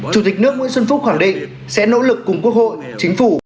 chủ tịch nước nguyễn xuân phúc khẳng định sẽ nỗ lực cùng quốc hội chính phủ